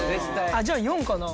じゃあ４かな。